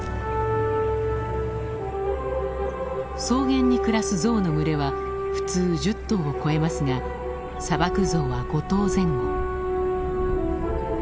草原に暮らすゾウの群れは普通１０頭を超えますが砂漠ゾウは５頭前後。